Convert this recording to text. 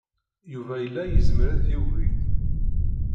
Yuba yella yezmer ad yagi.